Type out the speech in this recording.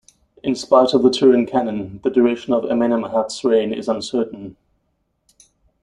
In spite of the Turin canon, the duration of Amenemhat's reign is uncertain.